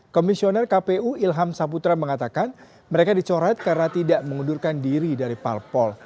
komisioner kpu ilham saputra mengatakan mereka dicoret karena tidak mengundurkan diri dari parpol